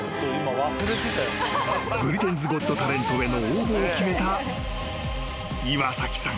［『ブリテンズ・ゴット・タレント』への応募を決めた岩崎さん］